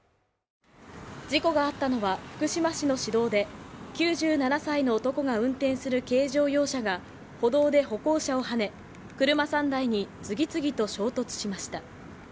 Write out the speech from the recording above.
事故があったのは福島市の市道で９７歳の男が運転する軽乗用車が歩道で歩行者をはね、車３台に次々と衝突しました。